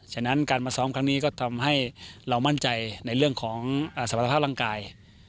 ฉะนั้นการมาซ้อมครั้งนี้ก็ทำให้เรามั่นใจในเรื่องของสมรรถภาพร่างกาย